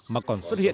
mà còn xuất hiện